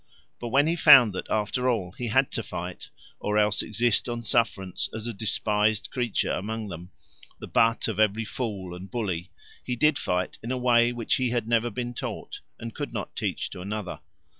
But when he found that, after all, he had to fight or else exist on sufferance as a despised creature among them, the butt of every fool and bully, he did fight in a way which he had never been taught and could not teach to another.